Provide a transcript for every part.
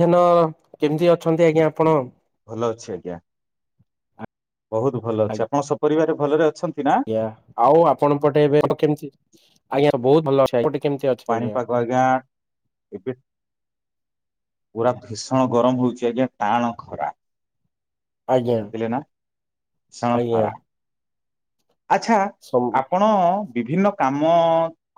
ଧ୍ୟନ କେମିତି ଅଛନ୍ତି ଆଜ୍ଞା ଆପଣ ଭଲ ଅଛି ଆଜ୍ଞା। ବହୁତ ଭଲ ଅଛି ଆପଣ ସପରିବାର ଭଲରେ ଅଛନ୍ତି। ନା? ଆଜ୍ଞା ଆଉ ଆପଣ ପଟେ ଏଵେ କେମିତି? ଆଜ୍ଞା ବହୁତ ଭଲ ଅଛି ଆଜ୍ଞା ଏପଟେ କେମିତି ଅଛି ପାଣି ପାଗ ଆଜ୍ଞା ଏବେ? ପୁରା ଭୀଷଣ ଗରମ ହଉଛି ଆଜ୍ଞା ଟାଣ ଖରା ଆଜ୍ଞା [unintelligible] ଲେନା ଭୀଷଣ ଆଜ୍ଞା ଖରା। ଆଚ୍ଛା ସବୁ ଆପଣ ବିଭିନ୍ନ କାମ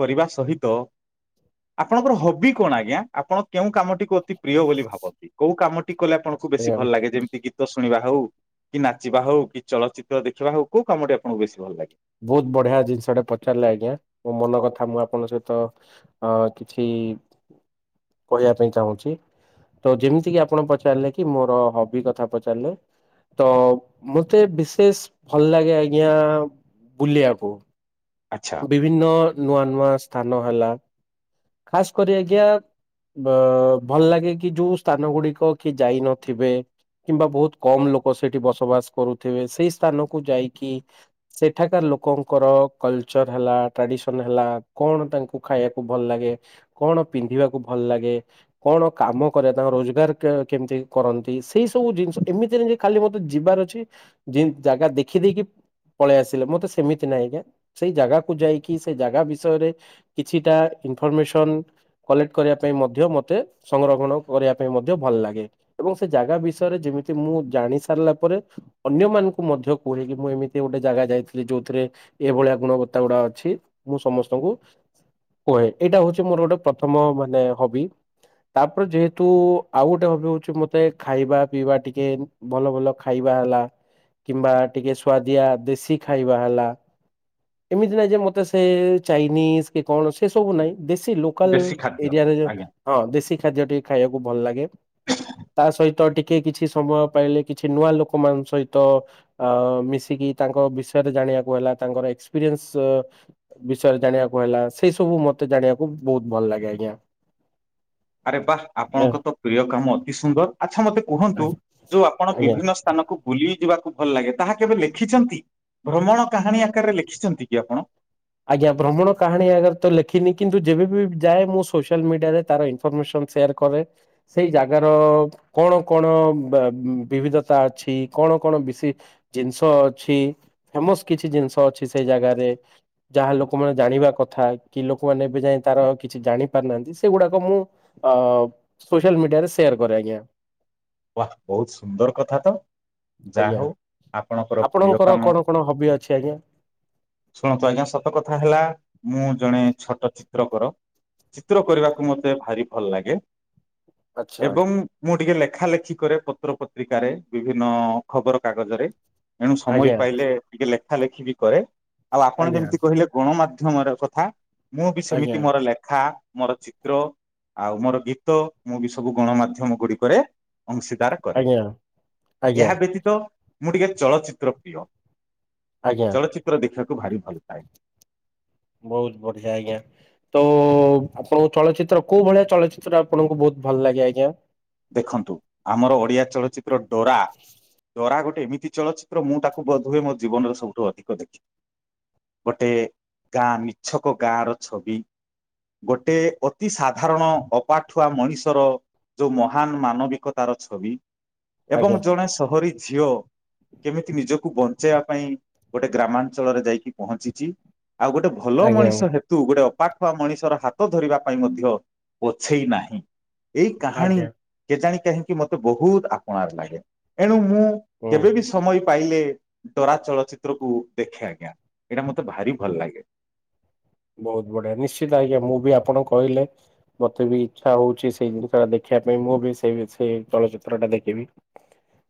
କରିବା ସହିତ ଆପଣଙ୍କର ହବି କଣ ଆଜ୍ଞା ଆପଣ କେଉଁ କାମଟିକୁ ଅତି ପ୍ରିୟ ବୋଲି ଭାବନ୍ତି କୋଉ କାମ? କଲେ ଆପଣଙ୍କୁ ବେଶୀ ଆଜ୍ଞା ଭଲ ଲାଗେ ଯେମିତି ଗୀତ ଶୁଣିବା ହଉ କି ନାଚିବା ହଉ କି ଚଳଚିତ୍ର ଦେଖିବା ହଉ କୋଉ କାମଟି ଆଣ ବେଶ ଭଲାଗେ। ବହୁତ ବଢିଆ ଜିନିଷଟେ ପଚାରିଲେ ଆଜ୍ଞା ମୋ ମନ କଥା ମୁଁ ଆପଣଙ୍କ ସହିତ ଅ କିଛି କହିବା ପାଇଁ ଚାହୁଁଛି। ତ ଯେମିତି କି ଆପଣ ପଚାରିଲେ କି ମୋର ହବି କଥା ପଚାରିଲେ ତ ମତେ ବିଶେଷ ଭଲ ଲାଗେ ଆଜ୍ଞା? ବୁଲି ଆକୁ ଆଚ୍ଛା ବିଭିନ୍ନ ନୂଆ ନୂଆ ସ୍ଥାନ ହେଲା। ଖାସ୍ କରି ଆଜ୍ଞା ଅ ଭଲ ଲାଗେ କି ଯୋଉ ସ୍ଥାନ ଗୁଡିକ କି ଯାଇନଥିବେ କିମ୍ବା ବହୁତ କମ ଲୋକ ସେଠି ବସବାସ କରୁଥିବେ। ସେଇ ସ୍ଥାନକୁ ଯାଇକି ସେଠାକାର ଲୋକଙ୍କର କଲଚର ହେଲା ଟ୍ରାଡିସନ ହେଲା କଣ ତାଙ୍କୁ ଖାଇବାକୁ ଭଲ ଲାଗେ। କଣ ପିନ୍ଧିବାକୁ ଭଲ ଲାଗେ। କଣ କାମ କରେ ତାଙ୍କ ରୋଜଗାର କେମିତି କରନ୍ତି ସେଇ ସବୁ ଜିନିଷ ଏମିତି ନାହି ଯେ ଖାଲି ମତେ ଯିବାର ଅଛି। ଜାଗା ଦେଖିଦକି ପଳେଇ ଆସିଲେ ମତେ ସେମିତି ନାହିଁ ଆଜ୍ଞା ସେଇ ଜାଗାକୁ ଯାଇକି ସେଇ ଜାଗା ବିଷୟରେ କିଛିଟା ଇନଫର୍ମେସନ କଲେକ୍ଟ କରିବା ପାଇଁ ମଧ୍ୟ ମୋତେ ସଂରକ୍ଷଣ କରିବା ପାଇଁ ମଧ୍ୟ ଭଲ ଲାଗେ। ଏବଂ ସେ ଜାଗା ବିଷୟରେ ଯେମିତି ମୁଁ ଜାଣି ସାରିଲା ପରେ ଅନ୍ୟମାନଙ୍କୁ ମଧ୍ୟ କୁହେ କି ମୁଁ ଏମିତି ଗୋଟେ ଜାଗା ଯାଇଥିଲି ଯେଉଥିରେ ଏଭଳିଆ ଗୁଣବତ୍ତା ଗୁଡ଼ା ଅଛି ମୁଁ ସମସ୍ତଙ୍କୁ କୁହେ। ଏଇଟା ହଉଛି ମୋର ଗୋଟେ ପ୍ରଥମ ମାନେ ହବି। ତାପରେ ଯେହେତୁ ଆଉ ଗୋଟେ ହବି ହଉଛି ମତେ ଖାଇବା ପିଇବା ଟିକେ ଭଲ ଭଲ ଖାଇବା ହେଲା। କିମ୍ବା ଟିକେ ସୁଆଦିଆ ଦେଶୀ ଖାଇବା ହେଲା ଏମିତି ନାଇଁ ଯେ ମତେ ସେ ଚାଇନିଜ କି କଣ ସେ ସବୁ ନାହିଁ। ଦେଶୀ ଲୋକାଲ ଦେଶୀ ଖାଦ୍ୟ ଏରିଆରେ ଆଜ୍ଞା ହଁ ଦେଶୀ ଖାଦ୍ୟ ଟିକେ ଖାଇବାକୁ ଭଲ ଲେ ତା ସହିତ ଟିକେ କିଛି ସମୟ ପାଇଲେ କିଛି ନୂଆ ଲୋକ ମଙ୍କ ସହିତ ମିଶିକି ତାଙ୍କ ବିଷୟରେ ଜାଣିବାକୁ ହେଲା ତାଙ୍କର ଏକ୍ସପିରିଏନ୍ସ ବିଷୟରେ ଜାଣିବାକୁ ହେଲା ସେ ସବୁ ମତେ ଜାଣିବାକୁ ବହୁତ ଭଲ ଲାଗେ ଆଜ୍ଞା। ଆରେ ବାହ ଆପଣଙ୍କ ତ ପ୍ରିୟ କାମ ଅତି ସୁନ୍ଦର ଆଚ୍ଛା ମତେ କୁହନ୍ତୁ ଆଜ୍ଞା। ଯୋଉ ଆପଣ ଆଜ୍ଞା। ବିଭିନ୍ନ ସ୍ଥାନକୁ ବୁଲି ଯିବାକୁ ଭଲ ଲାଗେ ତାହା କେବେ ଲେଖିଛନ୍ତି। ଭ୍ରମଣ କାହାଣୀ ଆକାରରେ ଲେଖିଛନ୍ତି କି ଆପଣ ଆଜ୍ଞା ଭ୍ରମଣ କାହାଣୀ ଆଗରେ ତ ଲେଖିନି। କିନ୍ତୁ ଯେବେ ବି ଯାଏ ମୁଁ ସୋସିଆଲ ମିଡିଆରେ ତାର ଇନଫରମେସନ ସେୟାର କରେ। ସେଇ ଜାଗାର କଣ କଣ ବିବିଧତା ଅଛି କଣ କଣ ବି ଜିନିଷ ଅଛି ଫେମସ କିଛି ଜିନିଷ ଅଛି ସେଇ ଜାଗାରେ ଯାହା ଲୋକମାନେ ଜାଣିବା କଥା କି ଲୋକମାନେ ଏବେ ଯା ତାର କିଛି ଜାଣି ପାରନାହାନ୍ତି ସେଗୁଡାକ ମୁଁ ଅ ସୋସିଆଲ ମିଡିଆରେ ସେୟାର କରେ ଆଜ୍ଞା। ବହୁତ ସୁନ୍ଦର କଥା ତ ଯାହା ଆଜ୍ଞା ହଉ ଆପଣଙ୍କର ପ୍ରିୟ କାମ କଣ କଣ ହବି ଅଛି ଆଜ୍ଞା ଶୁଣନ୍ତୁ ଆଜ୍ଞା ସ କଥା ହେଲା ମୁଁ ଜଣେ ଛୋଟ ଚିତ୍ରକ ଚିତ୍ର କରିବାକୁ ମତେ ଭାରି ଭଲ ଲାଗେ। ଆଚ୍ଛା ଏବଂ ମୁ ଟିକେ ଲେଖା ଲେ କରେ ପତ୍ର ପତ୍ରିକାରେ ବିଭିନ୍ନ ଖବର କାଗଜରେ। ତେଣୁ ସମୟ ଆଜ୍ଞା ପାଇଲେ ଟିକେ ଲେଖ ଲେଖିବି କରେ। ଆଉ ଆପଣ ଆଜ୍ଞା ଯେମିତି କହିଲେ ଗଣମାଧ୍ୟ ମାମର କଥା। ମୁଁ ବି ସେମିତି ଆଜ୍ଞା ମୋର ଲେଖା। ମୋର ଚିତ୍ର ଆଉ ମୋର ଗୀତ ମୁଁ ବି ସବୁ ଗଣମାଧ୍ୟମ ଗୁଡିକରେ ଅଂଶୀଦାର କରେ ଆଜ୍ଞା ଆଜ୍ଞା ଏହା ବ୍ୟତୀତ ମୁଁ ଟିକେ ଚଳଚିତ୍ର ପ୍ରିୟ। ଆଜ୍ଞା ଚଳଚିତ୍ର ଦେଖିବା। କୁ ଭାରି ଭଲ ପାଏ। ବହୁତ ବଢିଆ ଆଜ୍ଞା ତ ଆପଣଙ୍କୁ ଚଳଚିତ୍ର କୋଉ ଭଳିଆ ଚଳଚିତ୍ରା ଆପଣଙ୍କୁ ବହୁତ ଭଲ ଲାଗେ ଆଜ୍ଞା। ଦେଖନ୍ତୁ ଆମର ଓଡିଆ ଚଳଚିତ୍ର ଡରା। ଡରା ଗୋଟେ ଏମିତି ଚଳଚ୍ଚିତ୍ର ମୁଁ ତାକୁ ବୋଧ ହଏ ମୋ ଜୀବନରେ ସବୁଠୁ ଅଧିକ ଦେଖି ଗୋଟେ ଗାଁ ନିଛକ ଗାଁର ଛବି ଗୋଟେ ଅତି ସାଧାରଣ ଅପାଠୁଆ ମଣିଷର ଯୋଉ ମହାନ ମାନବିକତାର ଛବି। ଏବଂ ଆଜ୍ଞା। ଜଣେ ସହରୀ ଝିଅ କେମିତି ନିଜକୁ ବଞ୍ଚ ପଞ୍ଚେଇବା ପାଇଁ ଗୋଟେ ଗ୍ରାମାଞ୍ଚଳରେ ଯାଇକି ପହଞ୍ଚିଛି ଆଉ ଗୋଟେ ଭଲ ଆଜ୍ଞା। ମଣିଷ ହେତୁ ଗୋଟେ ପାଠୁଆ ମଣିଷର ହାତ ଧରିବା ପାଇଁ ମଧ୍ୟ ପଛେଇ ନାହିଁ। ଏ କାହାଣୀ ଆଜ୍ଞା କେ ଜାଣି କାହିଁକି ମତେ ବହୁତ ଆପଣାରେ ଲାଗେ। ଏଣୁ ମୁଁ ହୁଁ କେବେ ବି ସମୟ ପାଇଲେ ଡରା ଚଳଚିତ୍ରକୁୁ ଦେଖେ ଆଜ୍ଞା ଏଇଟା ମତେ ଭାରି ଭଲ ଲାଗେ। ବହୁତ ବଢିଆ ନିଶ୍ଚିତ ଆଜ୍ଞା ମୁଁ ବି ଆପଣ କହିଲେ ମତେ ବି ଇଚ୍ଛା ହଉଛି ସେଇ ଜିନିଷ ଟା ଦେଖିବା ପାଇଁ ମୁଁ ବି ସେଇ ସେଇ ଚଳଚିତ୍ର ଟା ଦେଖିବି।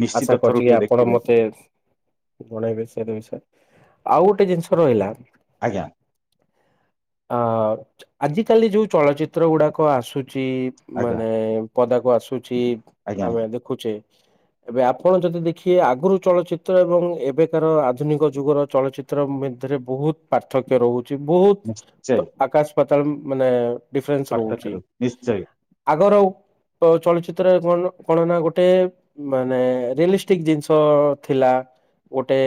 ନିଶ୍ଚିତ ଆଶା କରଛି କି ଥରୁଟିଏ ଆପଣ ଦେଖିବେ ମତେ ଜଣେଇବେ ସେ ବିଷୟରେ। ଆଉ ଗୋଟେ ଜିନିଷ ରହିଲା ଆଜ୍ଞା। ଆ ଆଜିିକାଲି ଯୋଉ ଚଳଚିତ୍ର ଗୁଡାକ ଆସୁ ଚି ଆଜ୍ଞା ମାନେ ପଦାକୁ ଆସୁ ଚି ଆଜ୍ଞା ଆମେ ଦେଖୁଛେ ଏବେ ଆପଣ ଯଦି ଦେଖିବେ ଆଗରୁ ଚଳଚିତ୍ର ଏବଂ ଏବେକାର ଆଧୁନିକ ଯୁଗର ଚଳଚିତ୍ର ମିତରେ ବହୁତ ପାର୍ଥକ୍ୟ ରହୁ ଛି ବହୁତ ନିଶ୍ଚୟ ଆକାଶ ପାତଳମ୍ ମାନେ ଡିଫରେନ୍ସ ରହୁଛି ପାର୍ଥକ୍ୟ ନିଶ୍ଚୟ ଆଗର ଚଳଚିତ୍ରରେ କଣ କଣ ନା ଗୋଟେ ମାନେ ରିଲିଷ୍ଟିକ ଜିନିଷ ଥିଲା ଗୋଟେ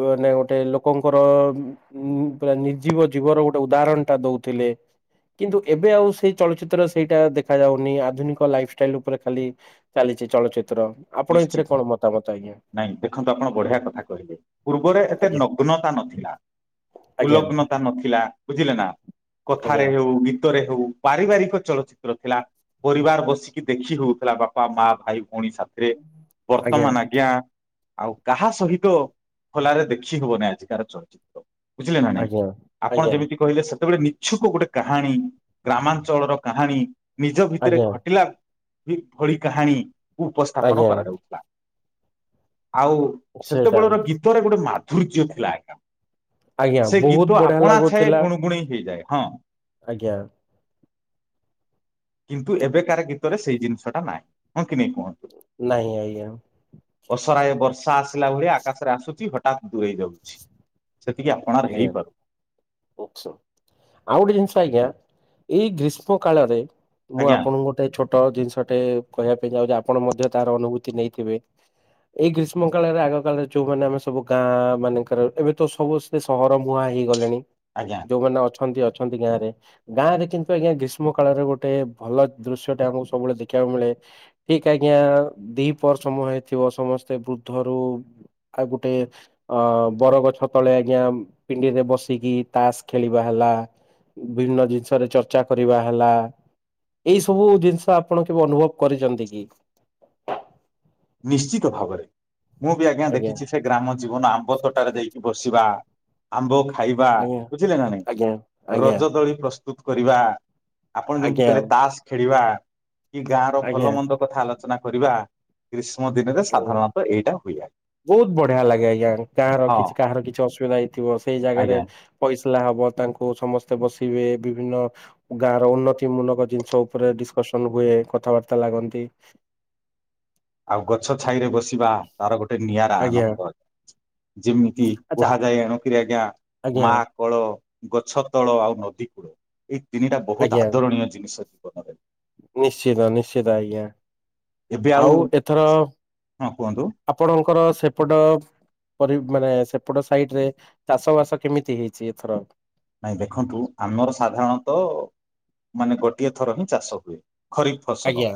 ମାନେ ଗୋଟେ ଲୋକଙ୍କର ଉଁ ମୁଁ ପୁରା ନିଜୀବ ଜୀବର ଗୋଟେ ଉଦାହରଣ ଟା ଦଉଥିଲେ କିନ୍ତୁ ଏବେ ଆଉ ସେଇ ଚଳଚିତ୍ର ସେଇଟା ଦେଖା ଯାଉନି ଆଧୁନିକ ଲାଇଫଷ୍ଟାଇଲ ଉପରେ ଖାଲି ଚାଲିଛି ଚଳଚି ନିଶ୍ଚିତ ନାଇଁ ଦେଖନ୍ତୁ ଆପଣ ବଢିଆ କଥା କହିବେ ପୂର୍ବରେ ଏତେ ଆଜ୍ଞା ନଗ୍ନତା ନଥିଲା। ଆଜ୍ଞା ଉଲଗ୍ନତା ନଥିଲା ବୁଝିଲେ ନା କଥାରେ ହଉ ଗୀ ତ ରେ ହଉ ପାରିବାରିକ ଚଳଚିତ୍ର ଥିଲା ପରିବାର ବସିକି ଦେଖି ହଉଥିଲା ବାପା ମା ଭାଇ ଭଉଣୀ ସା ରେ ବର୍ତ୍ତମାନ ଆଜ୍ଞା। ଆଉ କାହା ସହିତ ଖୋଲାରେ ଦେଖି ହବନି ଆଜିକାର ଚଳଚିତ୍ର। ବୁଝିଲେ ନା ନାଇଁ ଆଜ୍ଞା ଆପଣ ଆଜ୍ଞା ଆଜ୍ଞା ଯେମିତି କହିଲେ ସେ ଗୋଟେ ନିଛୁକ ଗୋଟେ କାହାଣୀ ଗ୍ରାମାଞ୍ଚଳର କାହାଣୀ ନିଜ ଭିତରେ ଆଜ୍ଞା ଘଟିଲା ଭଳି କାହାଣୀ ଉପସ୍ଥି ଗ୍ରହଣ ଆଜ୍ଞା କରାଯାଉଥିଲା। ଆଉ ସେଇଟା ସେତେବେଳର ଗୀତରେ ଗୋଟେ ମା ଧୂର୍ଯ୍ୟ ପ୍ଲାଣ୍ଟ ଆଜ୍ଞା ସେ ବହୁତ ଗୀତ ବଢିଆ ଆପଣା ଛାଏଁ ଲାଗୁଥିଲା ଗୁଣୁଗୁଣେଇ ହେଇଯାଏ। ହଁ ଆଜ୍ଞା କିନ୍ତୁ ଏବେ କାର ଗୀତରେ ସେଇ ଜିନିଷ ଟା ନାହିଁ ହଁ କି ନେଇ କୁହ ନାହିଁ ଆଜ୍ଞା ର୍ଷା ଆସିଲା ଭଳି ଆକାଶରେ ଆସୁଛି ହଠାତ୍ ଦୂରେଇ ଯାଉଛି। ସେତିକି ଆପଣାର ଆଉ ହେଇପାରୁ ଗୋଟେ ଜିନିଷ ଆଜ୍ଞା ଏଇ ଗ୍ରୀଷ୍ମ କାଳରେ ମୁଁ ଆଜ୍ଞା ଆପଣଙ୍କୁ ଗୋଟେ ଛୋଟ ଜିନିଷଟେ କହିବା ପାଇଁ ଯାଉଛି ଆପଣ ମଧ୍ୟ ତାର ଅନୁଭୂତି ନେଇଥିବେ ଏଇ ଗ୍ରୀଷ୍ମ କାଳରେ ଆଗ କାଳରେ ଯୋଉମାନେ ଆମେ ସବୁ ଗାଁ ମାନଙ୍କର ଏବେ ତ ସବୁ ସେ ସହର ମୁୁହାଁ ହେଇଗଲେଣି। ଆଜ୍ଞା ଯୋଉଁ ମାନେ ଅଛ ଅ ଅଛନ୍ତି ଗାଁ ରେ ଗାଁରେ କିନ୍ତୁ ଆଜ୍ଞା ଗ୍ରୀଷ୍ମ କାଳରେ ଗୋଟେ ଭଲ ଦୃଶ୍ୟ ଟା ଆମକୁ ସବୁବେଳେ ଦେଖିବାକୁ ମିଳେ ଠିକ ଆଜ୍ଞା ଦି ପର ସମମୟ ହେଇଥିବ ସମସ୍ତେ ବୃଦ୍ଧରୁ ଆଉ ଗୋଟେ ଅ ବରଗଛତଳେ ଆ ଆଜ୍ଞା ପିଣ୍ଡିରେ ବସିକି ତାସ ଖେଳିବା ହେଲା ବିଭିନ୍ନ ଜିନିଷରେ ଚର୍ଚ୍ଚା କରିବା ହେଲା ଏଇ ସବୁ ଜିନିଷ ଆପଣ କେବେ ଅନୁଭବ କରିଛନ୍ତି କି? ନିଶ୍ଚିତ ଭାବରେ। ମୁଁ ବି ଆଜ୍ଞା ଦେଖଛିି ସେ ଗ୍ରାମ ଜୀବନ ଆମ୍ବ ତଟାରେ ଦେଇକି ବସିବା ଆମ୍ବ ଖାଇବା ଆଜ୍ଞା ବୁଝିଲେ ନା ନାଇଁ ଆଜ୍ଞା ଆଜ୍ଞା ରଜ ଦୋଳି ପ୍ର ସ୍ତୁତ କରିବା। ଆପଣ ଯେମିତି ଆଜ୍ଞା କହିଲେ ତାସ ଖେଳିବା। କି ଗାଁର ଆଜ୍ଞା ଭଲ ମନ୍ଦ କଥା ଆଲୋ ଚନା କରିବା। ଗ୍ରିସ୍ [unintelligible] ବୋହୁତୁ ବଢିଆ ଲାଗେ ଆଜ୍ଞା କାହାର ହଁ କିଛି କାହାର କିଛି ଅସୁବିଧା ହେଇଥିବ। ସେଇ ଜାଗାରେ ଆଜ୍ଞା ଫଇସଲା ହବ ତାଙ୍କୁ ସମସ୍ତେ ବସି ବେ ବିଭିନ୍ନ ଗାଁର ଉନ୍ନତି ମୂଳକ ଜିନିଷ ଉପରେ ଡିସକସନ୍ ହୁଏ କଥାବାର୍ତ୍ତା ଲାଗନ୍ତି। ଆଉ ଗଛ ଛାଇରେ ବସିବା ତାର ଗୋଟେ ନିଆଁରା ଆଜ୍ଞା ଆନନ୍ଦ ଯେମିତି ଆଚ୍ଛା କୁହାଯାଏ ଏଣୁକିରି ଆଜ୍ଞା ଆଜ୍ଞା ମା କୋଳ ଗଛ ତଳ ଆଉ ନଦୀ କୂଳ ଏଇ ତିନିଟା ବୋହୁତ ଆଜ୍ଞା ଆଦରଣୀୟ ଜିନିଷ [inaudible] [inaudible] ନିଶ୍ଚିତ ନିଶ୍ଚିତ ଆଜ୍ଞା। ଆଉ ଏଥର ହଁ କୁହନ୍ତୁ ଆପଣଙ୍କର ସେପଟ ପରି ମାନେ ସେପଟ ସାଇଡ ରେ ଚାଷ ବାସ କେମିତି ହେଇଛି ଏଥର? ନାଇଁ ଦେଖନ୍ତୁ ଆମର ସାଧାରଣତଃ ମାନେ ଗୋଟିଏ ଥର ହିଁ ଚାଷ ହୁଏ। ଖରିଫ ଫସଲ ଆଜ୍ଞା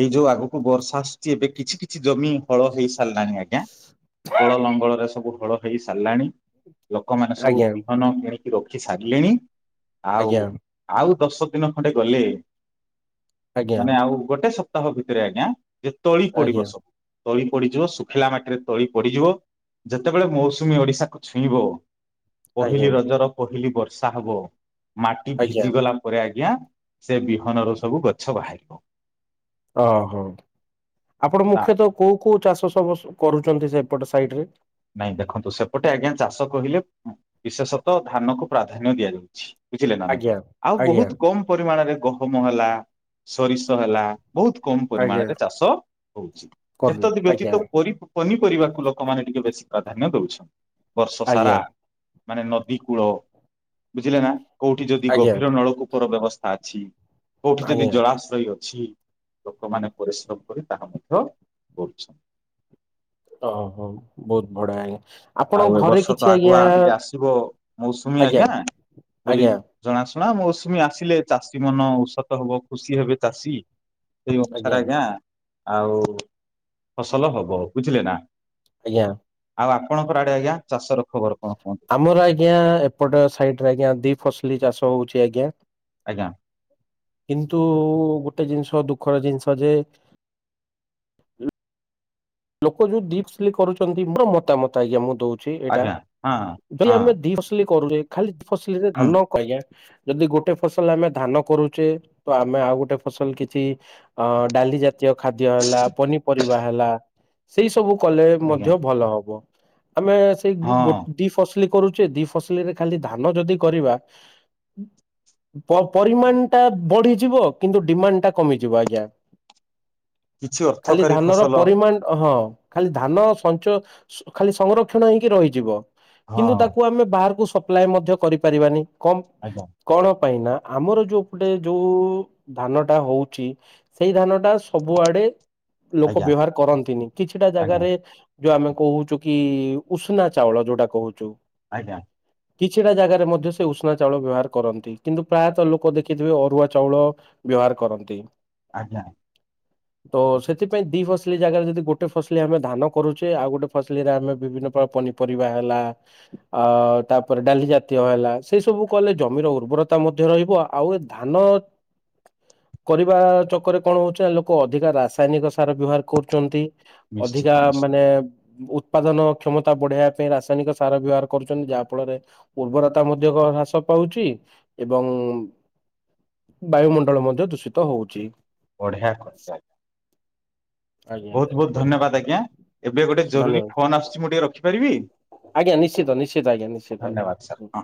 ଏଇ ଯୋଉ ଆଗକୁ ବର୍ଷା ଏବେ କିଛି କିଛି ଜମି ହଳ ହେଇ [inaudible] କ ଲଙ୍ଗଳରେ ସବୁ ହଳ ହେଇ ସାରିଲାଣି। ଲୋକମାନେ ସବୁ ଆଜ୍ଞା ବିହନ ବୁ ରଖି ସାରିଲେଣି ଆଉ ଆଜ୍ଞା ଆଉ। ଦଶ ଦିନ ଖଣ୍ଡେ ଗଲେ। ଆଜ୍ଞା ମାନେ ଆଉ ଗୋଟେ ସ୍। ସପ୍ତାହ ଭିତରେ ଆଜ୍ଞା। ଯେ ତଳି ପଡିବ ଆଜ୍ଞା ସବୁ। ତଳି ପଡ଼ିଯିବ ଶୁଖିଲା ମାଟିରେ ତଳି ପଡିଯିବ ଯେତେବେଳେ ମୌସୁମୀ ଓଡ଼ିଶାକୁ ଛୁଇଁବ। ପହିଲି ଆଜ୍ଞା ଆଜ୍ଞା ରଜ ର। ପହିଲି ବର୍ଷା ହବ। ମାଟି ଆଜ୍ଞା ଭିଜି ଗଲା ପରେ ଆ। ଆଜ୍ଞା ସେ ବିହନର ସବୁ ଗଛ ବାହାରିବ। ଓହୋ ଆପଣ ତା ମୁଖ୍ୟତଃ କୋଉ କୋଉ ଚାଷ ସବ। କରୁଛନ୍ତି ସେପଟ ସାଇଟ ରେ। ନାଇଁ ଦେଖନ୍ତୁ ସେପଟେ ଆଜ୍ଞା ଚାଷ କହିଲେ ବିଶେଷତଃ ଧାନ କୁ ପ୍ରାଧାନ୍ୟ ଦିଆଯାଉଛି। ବୁଝିଲେ ନା ନାଇଁ ଆଜ୍ଞା ଆଉ ଆଜ୍ଞା ବହୁତ କମ ପରିମାଣରେ। ଗହମ ହେଲା ସୋରିଷ ହେଲା। ବହୁତ କମ ଆଜ୍ଞା ପରିମାଣରେ ଚାଷ ହଉଛି କରୁନି ଏତଦ୍ ବ୍ୟତୀତ ଆଜ୍ଞା ପରି ପନିପରିବାକୁ ଲୋକମାନେ ଟିକେ ବେଶୀ। ପ୍ରାଧାନ୍ୟ ଦଉଛନ୍। ବର୍ଷ ସାରା। ଆଜ୍ଞା ମାନେ ନଦୀ କୂଳ ବୁଝିଲେ ନା। କୋଉଠି ଯଦି ଆଜ୍ଞା ଗଭୀର ନଳକୁ। [inaudible] ବ୍ୟବସ୍ଥା ଅଛି। କୋଉଠି ଯଦି ଆଜ୍ଞା। ଜଳାଶ୍ରୟ। କିଛି ଲୋକମାନେ ପରିଶ୍ରମ କରି ତାହା ମଧ୍ୟ କରୁଛନ୍ତି। ଓ ହୋ ବହୁତ [inaudible] ଆପଣଙ୍କ ଆଉ ଏ ଘରେ ବର୍ଷ ତ କିଛି ଆଗୁଆ ଆଜ୍ଞା ଟିକେ ଆସିବ ମୌସୁମୀ ଆଜ୍ଞା ବୋଲି ଆଜ୍ଞା ଜଣାସୁ। ମୌସୁମୀ ଆସିଲେ ଚାଷୀ ମନ ଉଷତ ହବ ଖୁସି ହେବେ ଚାଷୀ। ସେଇ [inaudible] ଆଜ୍ଞା। ଆଉ ଫସଲ ହବ ବୁଝିଲେ ନାଁ? ଆଜ୍ଞା। ଆଉ ଆମେ ପଣଙ୍କ ଆଡ଼େ ଆଗିଆଁ ଚାଷର ଖବର କଣ କୁହନ୍ତୁ? ଆମର ଆଜ୍ଞା ଏପଟ ସାଇଟ୍ ରେ ଆଜ୍ଞା ଦି ଫସ୍ ତୁଲି ଚାଷ ହୋଉଚି ଆଜ୍ଞା। ଆଜ୍ଞା କିନ୍ତୁ ଗୋ ଟେ ଜିନିଷ ଦୁଃଖର ଜିନିଷ ଯେ ଲୁ ଲୋକ ଯୋଉ ଦି ଫସଲି କରୁଚନ୍ତି ମୋର ମତାମତ ଆଜ୍ଞା ମୁଁ ଦୋଉ ଛି ଏଟା ଆଜ୍ଞା ହଁ ଭାଇ ହଁ ଆମେ ଦି ଫସଲି କରୁଚେ ଖାଲି ଫସଲିରେ ହୁଁ ଧାନ କ ଯଦି ଗୋଟେ ଫସଲ ଆମେ ଧାନ କରୁଚେ ତ ଆମେ ଆଉ ଗୋଟେ ଫସଲ କିଛି ଅ ଡାଲି ଜା ଚୀୟ ଖାଦ୍ୟ ହେଲା ପନିପରିବା ହେଲା। ସେଇ ସବୁ କଲେ ଆଜ୍ଞା ମଧ୍ୟ ଭଲ ହବ। ଆମେ ସେଇ ହଁ ଗୋ-ଗୋ ଦି ଫସଲି କରୁଚେ ଦି ଫସଲିରେ ଖାଲି ଧାନ ଯଦି କରିବା ପ ପରିମାଣଟା ବଢି଼ଯିବ କିନ୍ତୁ ଡିମାଣ୍ଡଟା କମିଯିବ ଆଜ୍ଞା। କିଛି ଖାଲି ଅର୍ଥକାରୀ ଧାନର ଫସଲ ପରିମାଣ ହଁ ଖାଲି ଧାନ ସଞ୍ଚ ଖାଲି ସଂରକ୍ଷଣ ହେଇକି ରହିଯିବ। ହଁ କିନ୍ତୁ ତାକୁ ଆମେ ବାହାରୁକୁ ସ୍ ଅପ୍ଲାଏ ମଧ୍ୟ କରିପାରିବାନି। କମ୍ ଆଜ୍ଞା କଣ ପାଇଁ ନାଁ ଆମର ଯୋଉ ପଟେ ଯୋଉ ଧାନଟା ହୋଉଚି ସେଇ ଧାନଟା ସବୁଆଡ଼େ ଲୋକ ଆଜ୍ଞା ବ୍ୟବହାର କରନ୍ ତିନି କିଛିଟା ଆଜ୍ଞା ଜାଗାରେ ଯୋଉ ଆମେ କୋହୁଚୁ କି କି ଉଷୁନା ଚାଉଳ ଯୋଉଟା କୋହୁଚୁ। ଆଜ୍ଞା। କିଛିଟା ଜାଗାରେ ମଧ୍ୟ ସେ ଉଷୁନା ଚାଉଳ ବ୍ୟବହାର କରନ୍ତି କିନ୍ତୁ ପ୍ରାୟତଃ ଲୋକ ଦେଖିଥିବେ ଅରୁଆ ଚାଉଳ ବ୍ୟବହାର କରନ୍ତି। ଆଜ୍ଞା। ତ ସେଥିପାଇଁ ଦି ଫସଲି ଜାଗାରେ ଯଦି ଗୋଟେ ଫସଲି ଆମେ ଧାନ କରୁଚେ। ଆଉ ଗୋଟେ ଫସଲିରେ ଆମେ ବିଭିନ୍ନ ପ୍ରକାର ପନିପରିବା ହେଲା ଅ ତାପରେ ଡାଲି ଜାତୀୟ ହେଲା ସେଇ ସବୁ କଲେ ଜମିର ଉର୍ବରତା ମଧ୍ୟ ରହିବ ଆଉ ଏ ଧାନ କରିବା ଚକରେ କଣ ହୋଉଚି ନାଁ ଲୋକ ଅଧିକା ରାସାୟନିକ ସାର ବ୍ୟବହାର କରୁଚନ୍ତି। ଅଧିକା ନିଶ୍ଚିତ ନିଶ୍ଚିତ ମାନେ ଉତ୍ପାଦନ କ୍ଷମତା ବଢ଼େଇବା ପାଇଁ ରାସାୟନିକ ସାର ବ୍ୟବହାର କରୁଛନ୍ତି। ଯାହା ଫଳରେ ଉର୍ବରତା ମଧ୍ୟ ଗ ହ୍ରାସ ପାଉଚି ଏବଂ ବାୟୁମଣ୍ଡଳ ମଧ୍ୟ ଦୂଷିତ ହୋଉଚି। ବଢ଼ିଆ କହିଚନ୍। ଆଜ୍ଞା। ଧନ୍ୟବାଦ ଆଜ୍ଞା ଏବେ ଗୋଟେ ଜରୁରୀ ଧନ୍ୟବାଦ ଫୋନ ଆସୁଛି ମୁଁ ଟିକେ ରଖିପାରିବି। ଆଜ୍ଞା ନିଶ୍ଚିତ ନିଶ୍ଚିତ ଆଜ୍ଞା ନିଶ୍ଚିତ ଧନ୍ୟବାଦ ସାର୍ ଆଜ୍ଞା। ହଁ